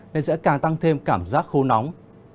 nên sẽ càng tăng thêm cảm giác khô nóng